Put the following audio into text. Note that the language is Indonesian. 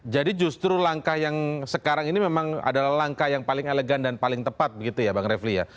justru langkah yang sekarang ini memang adalah langkah yang paling elegan dan paling tepat begitu ya bang refli ya